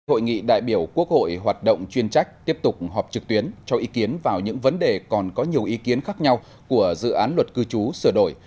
hội nghị đại biểu quốc hội hoạt động chuyên trách tiếp tục họp trực tuyến cho ý kiến vào những vấn đề còn có nhiều ý kiến khác nhau của dự án luật cư trú sửa đổi